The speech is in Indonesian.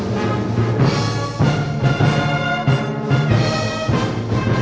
lagu kebangsaan indonesia raya